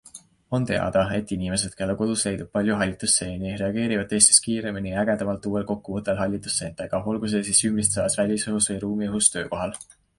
On teada, et inimesed, kelle kodus leidub palju hallitusseeni, reageerivad teistest kiiremini ja ägedamalt uuel kokkupuutel hallituseentega, olgu see siis ümbritsevas välisõhus või ruumiõhus töökohal.